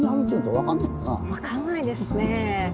分かんないですねぇ。